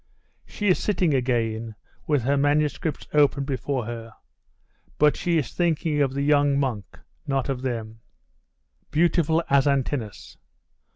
She is sitting again, with her manuscripts open before her; but she is thinking of the young monk, not of them. 'Beautiful as Antinous!....